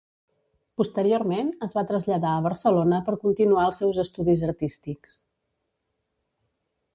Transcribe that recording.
Posteriorment es va traslladar a Barcelona per continuar els seus estudis artístics.